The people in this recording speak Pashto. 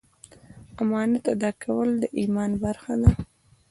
د امانت ادا کول د ایمان برخه ده.